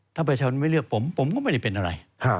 ถ้าประชาชนไม่เลือกผมผมก็ไม่ได้เป็นอะไร